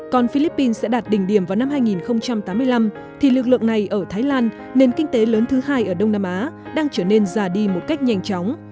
còn philippines sẽ đạt đỉnh điểm vào năm hai nghìn tám mươi năm thì lực lượng này ở thái lan nền kinh tế lớn thứ hai ở đông nam á đang trở nên già đi một cách nhanh chóng